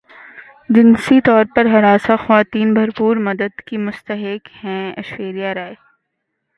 جنسی طور پر ہراساں خواتین بھرپور مدد کی مستحق ہیں ایشوریا رائے